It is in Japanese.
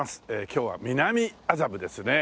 今日は南麻布ですね。